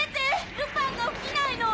ルパンが起きないの！